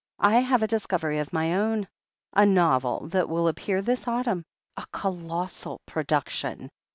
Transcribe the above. I have a discovery of my own — a, novel that will appear this auttmm — a colossal production!